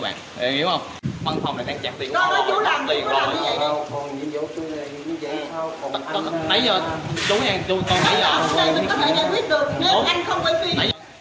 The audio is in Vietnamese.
tại giờ đối với anh tôi tôi phải giải quyết được nếu anh không quay phim